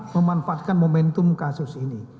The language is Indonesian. memanfaatkan momentum kasus ini